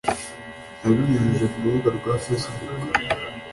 Abinyujije ku rubuga rwa facebook